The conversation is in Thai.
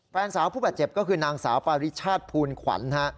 แฟนสาวผู้บาดเจ็บก็คือนางสาวปาริชาติภูลขวัญ